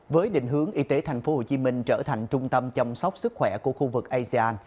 với định hướng y tế tp hcm trở thành trung tâm chăm sóc sức khỏe của khu vực asean